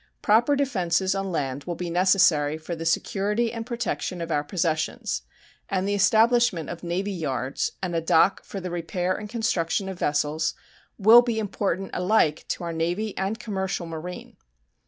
Proper defenses on land will be necessary for the security and protection of our possessions, and the establishment of navy yards and a dock for the repair and construction of vessels will be important alike to our Navy and commercial marine.